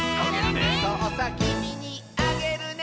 「そうさきみにあげるね」